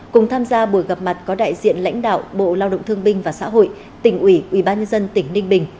cùng tham gia buổi gặp mặt có đại diện lãnh đạo bộ lao động thương binh và xã hội tỉnh ủy ubnd tỉnh ninh bình